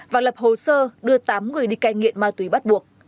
và lập hồ sơ đưa tám người đi cai nghiện ma túy bắt buộc